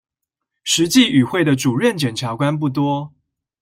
實際與會的主任檢察官不多